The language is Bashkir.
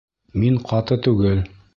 Мин ҡаты түгел.